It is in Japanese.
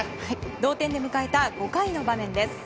同点で迎えた５回の場面です。